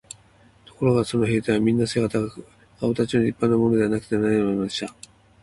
ところがその兵隊はみんな背が高くて、かおかたちの立派なものでなくてはならないのでした。